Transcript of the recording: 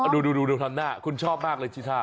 ดูดูดูหน้าคุณชอบมากเลยชิธา